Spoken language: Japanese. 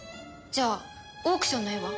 じゃあオークションの絵は？